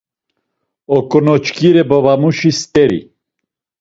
Oǩonoç̌ǩire babamuşi steri.